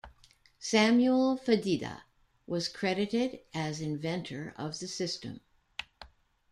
Samuel Fedida was credited as inventor of the system.